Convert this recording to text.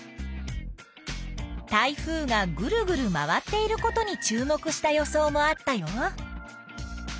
台風がぐるぐる回っていることに注目した予想もあったよ。